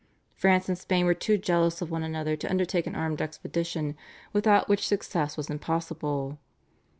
France and Spain were too jealous of one another to undertake an armed expedition, without which success was impossible.